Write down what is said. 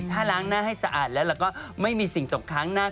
ถ้าล้างหน้าให้สะอาดแล้วเราก็ไม่มีสิ่งตกค้างหน้า